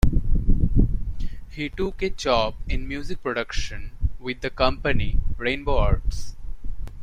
He took a job in music production with the company Rainbow Arts.